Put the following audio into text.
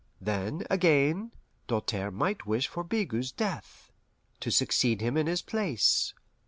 Then, again, Doltaire might wish for Bigot's death, to succeed him in his place!